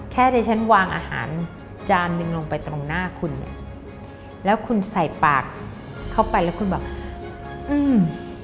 ดิฉันวางอาหารจานหนึ่งลงไปตรงหน้าคุณเนี้ยแล้วคุณใส่ปากเข้าไปแล้วคุณแบบอืม